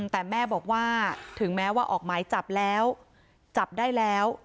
แต่แม่บอกว่าถึงแม้ว่าออกหมายจับแล้วจับได้แล้ว